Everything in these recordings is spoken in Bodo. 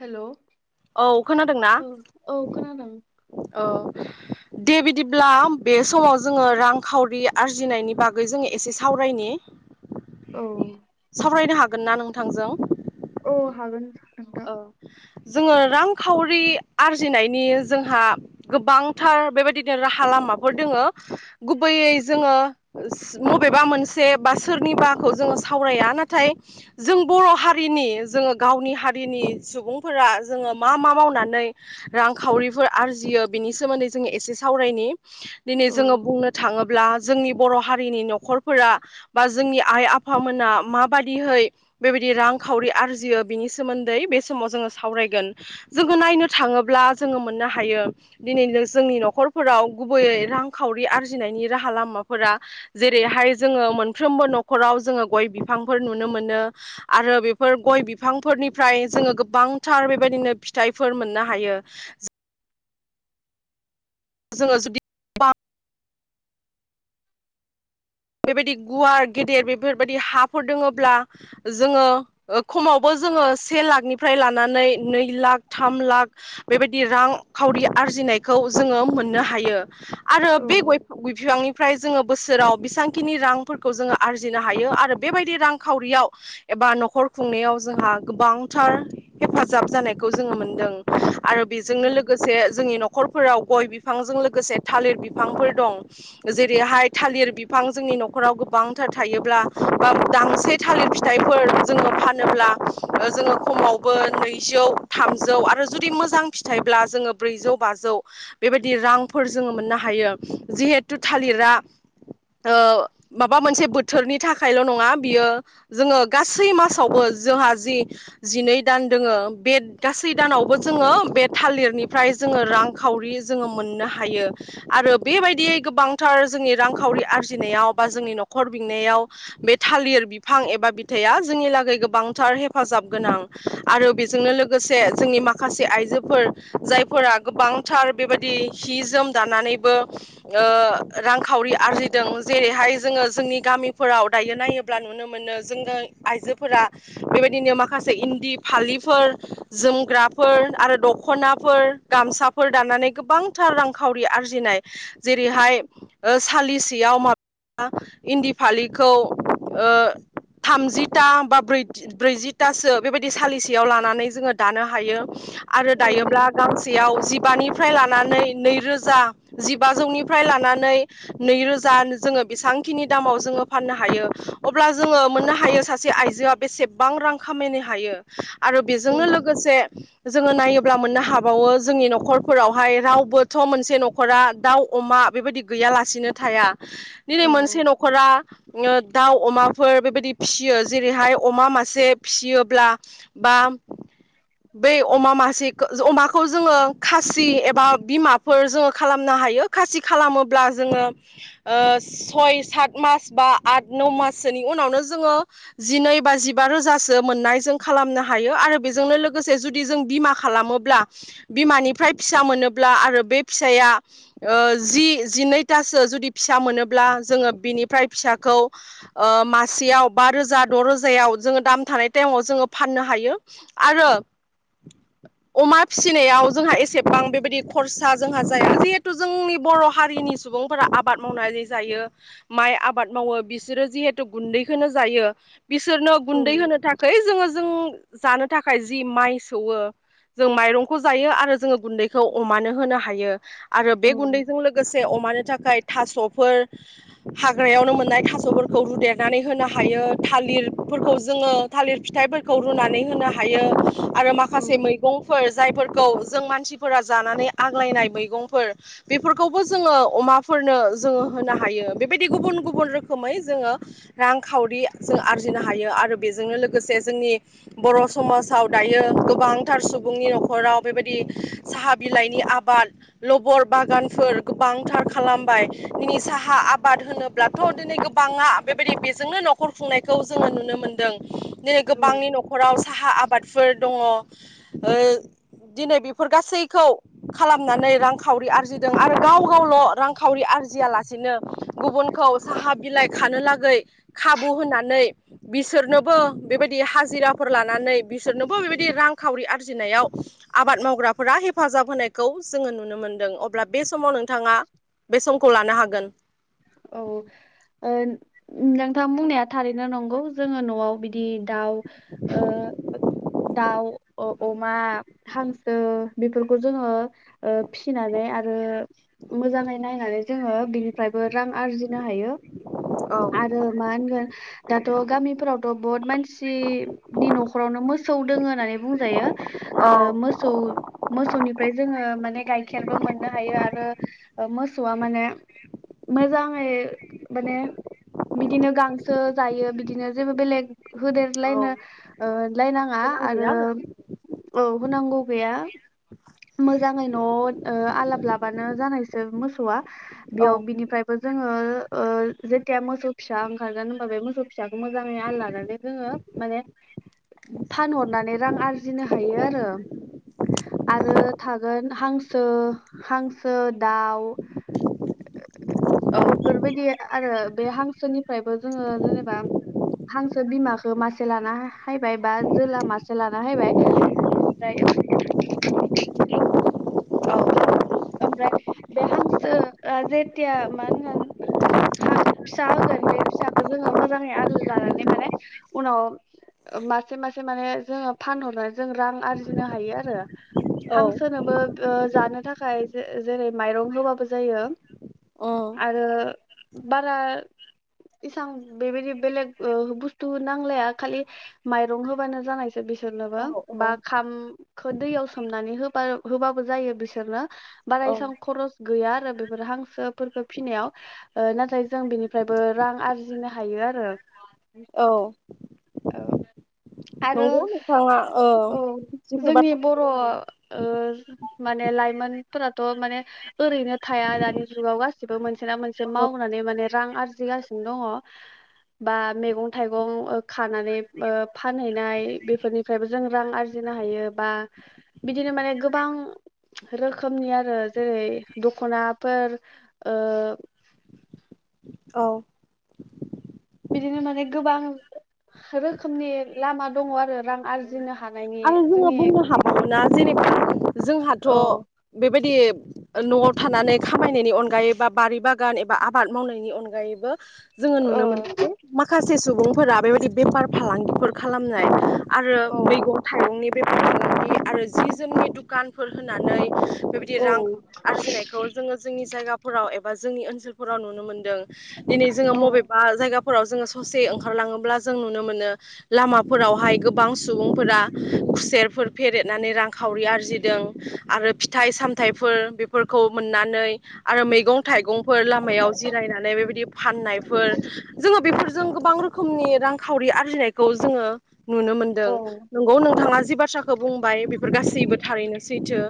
हेल'? औ खोनादोंना औ ना? खोनादों औ। दे बिदिब्ला बे समाव जोङो रांखावरि आरजिनायनि बागै जोङो एसे सावरायनि। [unintelligible] औ सावरायनो हागोन ना नोंथांजों? औ हागोन। नोंथां औ। जोङो रांखावरि आरजिनायनि जोंहा गोबांथार बेबायदिनो राहा ला माफोर दोङो गुबैयै जोङो सो मबेबा मोनसे बा सोरनिबाखौ जोङो सावराया नाथाय जों बर' हारिनि जोङो गावनि हा रिनि सुबुंफोरा जोङो मा मा मावनानै रांखावरिफोर आरजियो बिनि सोमोन्दै जों एसे सावरायनि। दिनै औ जोङो बुंनो थाङोब्ला जोंनि बर' हारिनि न'खरफोरा बा जोंनि आइ आफामोना माबादिहै बेबायदि रांखावरि आर्जियो बिनि सोमोन्दै बे समाव जोङो सावरायगोन। जोङो नायनो थाङोब्ला जोङो मोननो हायो दिनै जोंनि न'खरफोराव गुबैयै रांखावरि आरजिनायनि राहा लामाफोरा जेरैहाय जोङो मोनफ्रोमबो न'खराव जोङो गय बिफांफोर नुनो मोनो आरो बेफोर गय बिफांफोरनि फ्राय जोङो गोबांथार बेबायदिनो फिथाइफोर मोननो हायो जोङो जुदि [unintelligible] बेबायदि गुवार गेदेर बेफोरबायदि हाफोर दोङोब्ला जोङो ओ खमावबो जोङो से लाखनिफ्राय लानानै नै लाख थाम लाख बेबायदि रांखावरि आरजि नायखौ जोङो मोननो हायो आरो औ बे गय गय बिफांनिफ्राय जोङो बोसोराव बिसां खिनि रांफोरखौ जोङो आरजिनो हायो आरो बेबायदि रांखावरियाव एबा न'खर खुंनायाव जोंहा गोबांथार हेफाजाब जानायखौ जोङो मोनदों। आरो औ बेजोंनो लोगोसे जोंनि न'खर फोराव गय बिफांजों लोगोसे थालिर बिफांफोर दं जेरैहाय थालिर बि बिफां जोंनि न'खराव गोबांथार थायोब्ला बा दांसे थालिर फिथाइफोर जोङो फानोब्ला जोङो खमावबो नैजौ थामजौ आरो जुदि मोजां फिथाइब्ला जोङो ब्रैजौ बाजौ बेबायदि रांफोर जोङो मोननो हायो। जिहेथु थालिरा ओ माबा मोनसे बोथोरनि थाखायल' नङा बियो जोङो गासै मासावबो जोंहा जि जिनै दान दोङो बे गासै दानावबो जोङो बे थालिरनिफ्राय जोङो रांखावरि जोङो मोननो हायो। आरो बेबायदियै गोबांथार जोंनि रांखावरि आरजिनायाव बा जोंनि न'खर बेंनायाव बे थालिर बिफां एबा बिथथाइया जोंनि लागै गोबां हेफाजाब गोनां। आरो बेजोंनो लोगोसे जोंनि माखासे आइजोफोर जायफोरा गोबांथार बेबायदि हि जोम दानानैबो ओ रांखावरि आरजि दों। जेरैहाय जोङो जोंनि गामिफोराव दायो नायोब्ला नुनो मोनो जोंनो आइजोफोरा बेबायदिनो माखासे इन्दि फालिफोर जोमग्राफोर आरो दख'नाफोर गामसाफोर दानानै गोबांथार रांखावरि आरजिनाय जेरैहाय ओ सालिस सियाव माबा इन्दि फालिखौ ओ थामजिथा बा ब्रैजिथासो बेबायदि सालिसेयाव लानानै जोङो दानो हायो। आरो औ दायोब्ला गांसेयाव जिबानिफ्राय लानानै नै रोजा जिबाजौनिफ्राय लानानै नैरोजा जा जोङो बेसांखिनि दामाव जोङो फाननो हायो। अब्ला जोङो मोननो हायो सासे आइजोआ बेसेबां रां खामायनो हायो। आरो औ बेजोंनो लोगोसे जोङो नायोब्ला मोननो हा बावो। जोंनि न'खरफोरावहाय रावबोथ' मोनसे न'खरा दाउ, अमा बेबायदि गैयालासिनो थाया दिनै मोनसे न'खरा ओ दाउ अमाफोर बेबायदि फिसियो। जेरैहाय अमा मासे फिसियोब्ला बा बै अमा मासे अमाखौ जोङो खासि एबा बिमाफोर जोङो खालामनो हायो खासि खालामोब्ला जोङो ओ सय सत मास बा आ न माससोनि उनावनो जोङो जिनै बा जिबा रोजासो मोननाय खालामनो हायो। आरो बेजोंनो लोगोसे जुदि जों बिमा खालामोब्ला बिमाफ्राय फिसा मोनोब्ला आरो बे फिसाया ओ जि जिनैथासो जुदि फिसा मोनोब्ला जोङो बिनिफ्राय फिसाखौ मासेयाव बा रोजा द' रोजायाव जोङो दाम थानाय टाइमाव जोङो फाननो हायो। आरो अमा फिसिनायाव जोंहा एसेबां बेबायदि खरसा जोंहा जाया जिहेतु जोंनि बर' हारिनि सुबुंफोरा आबाद मावनानै जायो माइ आबाद मावो बिसोरो जिहेथु गुन्दैखौनो जायो। बिसोरनो औ गुन्दै होनो थाखाय जोङो जों जानो थाखाय जि माइ सौवो जों माइरंखौ जायो आरो जोङो गुन्दैखौ अमानो होनो हायो। आरो बे गुन्दैजों लोगोसे अमानो थाखाय थास'फोर हाग्रायावनो मोननाय थास'फोरखौ रुदेरनानै होनो हायो। थालिर फोरखौ जोङो थालिर फिथाइफोरखौ रुनानै होनो हायो आरो माखासे मैगंफोर जायफोरखौ जों मानसिफोरा जानानै आग्लायनाय मैगंफोर बेफोरखौबो जोङो अमा फोरनो जोङो होनो हायो। बेबायदि गुबुन गुबुन रोखोमै जोङो रांखावरि जों आरजि नों हायो। आरो बेजोंनो लोगोसे जोंनि बर' समाजाव दायो गोबांथार सुबुंनि न'खर नख'राव बेबायदि साहा बिलाइनि आबाद लब'र बागानफोर गोबांथार खालामबाय। दिनै साहा आबाद होनोब्लाथ' दिनै गोबाङा बेबायदि बेजोंनो न'खर खुंनायखौ जोङो नुनो मोनदों। दिनै औ गोबांनि न'खराव साहा आबादफोर दङ। ओ दिनै बेफोर गासैखौ खालामनानै रांखावरि आरजिदों आरो गाव गावल' रांखावरि आरजियालासेनो गुबुनखौ साहा बिलाइ खानो लागै खाबु होननानै बिसोरनोबो बेबायदि हाजिरा फोर लानानै बिसोरनोबो बेबायदि रांखावरि आरजिनायाव आबाद मावग्राफोरा हेफाजाब होनायखौ जोङो नुनो मोनदों अब्ला बे समाव नोंथाङा बे समखौ लानो हागोन औ नोंथां बुंनाया थारैनो नंगौ जोङो न'आव बिदि दि दाउ ओ दाउ अ-अमा हांसो बेफोरखौ जोङो ओ फिनानै आरो मोजाङै नायनानै जोङो बिनिफ्रायबो रां आरजिनो हायो औ आरो मा होनगोन दाथ' गामिफोरावथ' बहुत मानसि बिनि न'खरावनो मोसौ दङ होननानै बुंजायो ओ औ मोसौ मोसौ मोसौनिफ्राय जोङो माने गाइखेरबो मोननो हायो आरो मोसौआ माने मोजाङै माने बिदिनो गांसो जायो बिदिनो जेबो बेलेग होदेरलायनो ओ लायनाङा गोनां गैया आरो आंना औ बो नांगौ गैया [inaudible] मोजाङै नआव आलाब लाबानो जानायसो मोसौआ औ बेयाव बिनि [inaudible] जोङोे जेथिया मोसौ फिसा ओंखारगोन होमबा बे मोसौ फिसा मोजाङै आललानानै जोङो माने फानहरनानै रां आरजिनो हायो आरो आरो थागोन हांसो हांसो दाउ औ बेफोरबायदि आरो बे हांसोनिफ्रायबो जोङो जेनेबा हांसो बिमाखो मासे लाना हैबाय बा जोला मासे लाना हैबाय ओमफ्राय [inaudible] [inaudible] औ ओमफ्राय बे हांसो जेथिया मा होनगोन हा फिसा होगोन बे फिसाखो जोङो मोजाङै आदोर लानानै माने उनाव मासे मासे माने जोङो फानहरनानै जों रां आरजिनो हायो आरो हांसोनोबो जानो थाखाय जे जेरै माइरं होबाबो जायो औ आरो बारा इसां बेबायदि बेलेग बुस्थु नांलाया खालि माइरं होबानो जानायसो बिसोरनोबो औ बा खामखो दैयाव सोमनानै होबा होबाबो जायो बिसोरनो बारा औ इयां खर गैया आरो बेफोर हांसोफोरखो फिनायाव नाथाय जों बेनिफ्रायबो रां आरजिनो हायो आरो औ औ आरो नंगौ नोंथाङा ओ औ जिफोर जोंनि बर' ओ बाथ्राखौ बुंदों माने लाइमोनफोराथ माने ओरैनो थाया दानि जुगाव गासिबो मोन सोना मोनसे मावनानै माने रां आरजिगासिनो दङ बा मैगं थाइगं खानानै फानहैनाय बेफोरनिफ्रायबो जों रां आरजिनो हायो बा बिदिनो माने गोबां रोखोमनि आरो जेरै दखनाफोर ओ [inaudible] औ बिदिनो माने गोबां रोखोमनि लामा दङ आरो रां आरजिनो हा आरो जोङो बुंनो हाबावोना जेनेबा जोंहाथ' औ बेबायदि नआव थानानै खामायनायनि अनगायै बा बारि बागान एबा आबाद मावनायनि अनगायैबो जोङो ओ नुनो मोनो जे माखासे सुबुंफोरा बेबायदि बेफार फालांगिफोर खालामनाय आरो औ मैगं थाइगंनि बेफार फालांगि आरो जि जोमनि दुखानफोर होनानै बेबायदि औ रां आरजिनायखौ जोङो जोंनि जायगाफोराव एबा जोंनि ओनसोलफोराव नुनो मोन दों दिनै औ मबेबा जायगा फोराव जोङो ससे ओंखारलाङोब्ला जों नुनो मोनो लामाफोरावहाय गोबां सुबुंफोरा खुसेरफोर फेरेदनानै रांखावरि आरजिदों आरो फिथाइ सामथाइफोर बेफोरखौ खौ मोननानै आरो मैगं थाइगंफोर लामायाव जिरायनानै बेबायदि फाननायफोर जोङो बेफोरजों गोबां रोखोमनि रांखावरि आरजिनायखौ जोङो नुनो मोनदों औ नंगौ नोंथाङा जि बाथ्राखौ बुंबाय बेफोर गासैबो थारैनो सैथो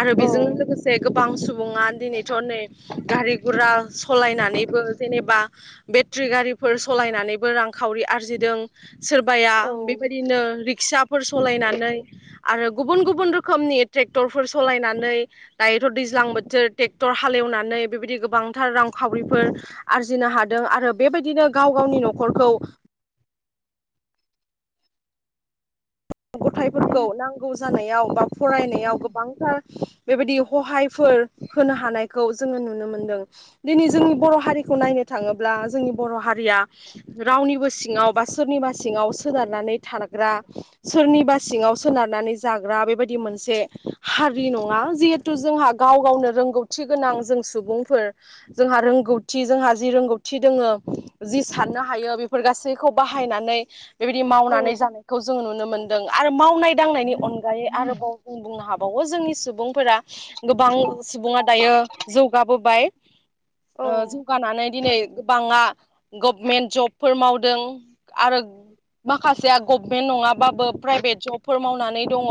आरो औ बेजोंनो लोगोसे गोबां बां सुबुङा दिनैथ नै गारि गुरा सलायनानैबो जेनेबा बेट्रि गारिफोर सलायनानैबो रांखावरि आरजिदों सोरबाया औ बेबायदिनो रिक्सा सलायनानै आरो गुब गुब रोखोमनि ट्रेक्टरफोर सलायनानै दायोथ दैज्लां बोथोर ट्रेक्टर हालेवनानै बेबायदि गोबांथार रांखावरिफोर आरजिनो हादों आरो बे बेबायदिनो गाव गावनि न'खरखौ गथाइफोरखौ नांगौ जानायाव बा फरायनायाव गोबांथार बेबायदि हहायफोर होनो हानायखौ जोङो नुनो मोनदों दिनै जोंनि बर' हारिखौ नायनो थाङोब्ला जोंनि बर' हारिया रावनिबो सिङाव बा सोरनिबा सिङाव सोनारनानै था थाग्रा सोरनिबा सिङाव सोनारनानै जाग्रा बेबायदि मोनसे हारि नङा जिहेथु जोंहा गाव गावनो रोंगौथि गोनां जों सुबुंफोर जोंहा रोंगौथि जोंहा जि रोंगौथि दोङो जि साननो हायो बेफोर गासैखौ बाहायनानै बेबायदि मावनानै जानायखौ जों नुनो मोनो मोनदों आरो मावनाय दांनायनि अनगायै आरोबाव जों बुंनो हाबावो जोंनि सुबुंफोरा गोबां सुबुङा दायो जौगाबोबाय ओ औ जौगानानै दिनै गोबाङा गभमेन्ट जबफोर मावदों आरो माखासेया गभमेन्ट नङाबा बो प्राइभेट जब मावनानै दङ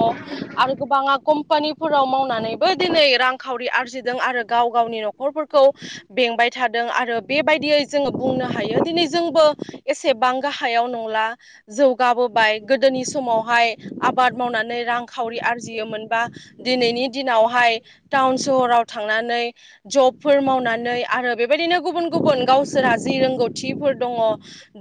आरो गोबाङा कम्पानि फोराव मावनानैबो दिनै रांखावरि आरजिदों आरो गाव गावनि न'खरफोरखौ खौ बेंबाय थादों आरो बेबायदियै जोङो बुंनो हायो दिनै जोंबो एसेबां गाहायाव नंला जौगाबोबाय गोदोनि समावहाय आबाद मावनानै रांखावरि आरजियोमोनबा दिनैनि दिनावहाय सहाव थांनानै जबफोर मावनानै आरो बेबायदिनो गुबुन गुबुन गाव सोरहा जि रोंगौथिफोर दङ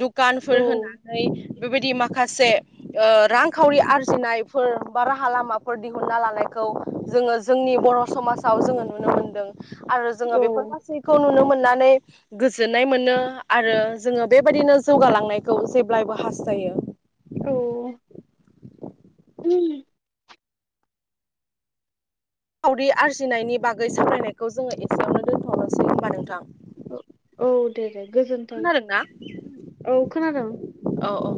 दुखानफोर होनानै बेबायदि माखासे ओ रांखावरि आरजिनायफोर बा राहा लामाफोर दिहुनना लानायखौ जोङो जोंनि बर' समाजाव जोङो नुनो मोनदों आरो जोङो बेफोर औ गासैखौ नुनो मोननानै गोजोननाय मोनो आरो जोङो बेबायदिनो जौगालांनायखौ जेब्लायबो हास्थायो औ खावरि आरजिनायनि बागै सावरायनायखौ जोङो एसेयावनो दोन्थ'नोसै होमबा नोंथां औ दे दे गोजोनथों खोनादों ना औ खोनादों औ औ